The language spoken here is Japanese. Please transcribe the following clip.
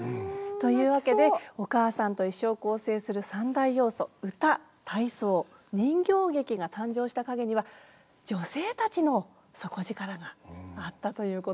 というわけで「おかあさんといっしょ」を構成する三大要素歌体操人形劇が誕生した陰には女性たちの底力があったということなんですよね。